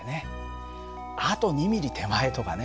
「あと２ミリ手前」とかね